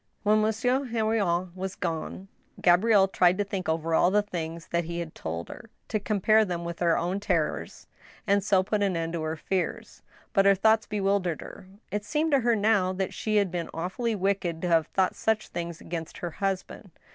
When Monsieur Henrion was gone, Gabrielle tried to think over all the things that he had told her, to compare them with her own terrors, and so put an end to her fears. But her thoughts be wildered her. It seemed to her now that she had been awfully wicked to have thought such things against her husband.